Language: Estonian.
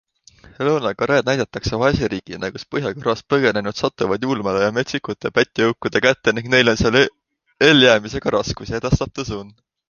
Lõuna-Koread näidatakse vaese riigina, kus Põhja-Koreast põgenenud satuvad julmade ja metsikute pätijõukude kätte ning neil on seal elljäämisega raskusi, edastab The Sun.